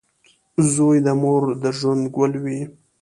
• زوی د مور د ژوند ګل وي.